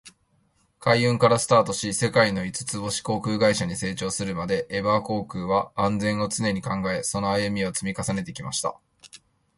海運からスタートし、世界の五つ星航空会社に成長するまで、エバー航空は「安全」を常に考え、その歩みを積み重ねてきました。